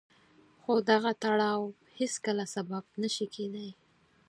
خو دغه تړاو هېڅکله سبب نه شي کېدای.